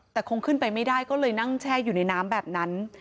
แต่คงขึ้นไปไม่ได้ก็เลยนั่งแช่อยู่ในน้ำแบบนั้น